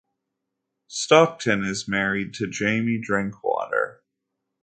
Stockton is married to Jamie Drinkwater.